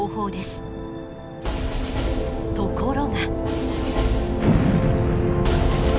ところが。